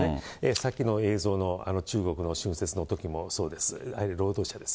さっきの映像の、中国の春節のときもそうです、ああいう労働者です。